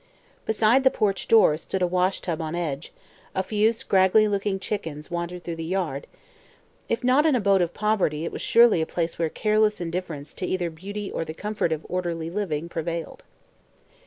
Beside the porch door stood a washtub on edge; a few scraggly looking chickens wandered through the yard; if not an abode of poverty it was surely a place where careless indifference to either beauty or the comfort of orderly living prevailed.